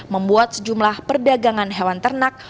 membuat sejumlah perdagangan hewan ternak